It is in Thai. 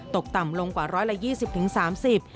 ตกต่ำลงกว่า๑๒๐๓๐บาท